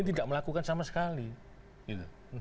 dia tidak melakukan sama sekali gitu